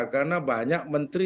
karena banyak menteri